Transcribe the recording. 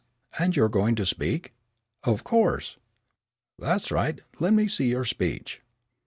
"And you're going to speak?" "Of course." "That's right. Let me see your speech."